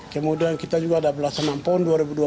kemudian kita juga ada belasan enam pon dua ribu dua puluh